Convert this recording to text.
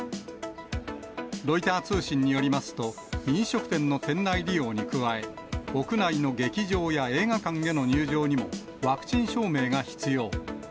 ロイター通信によりますと、飲食店の店内利用に加え、屋内の劇場や映画館への入場にも、ワクチン証明が必要。